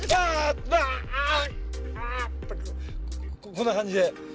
こんな感じで。